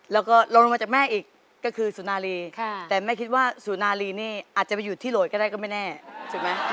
แล้วก็ลงมาจากแม่อีกก็คือสุนารีแต่แม่คิดว่าสุนารีนี่อาจจะไปอยู่ที่โหลดก็ได้ก็ไม่แน่ถูกไหม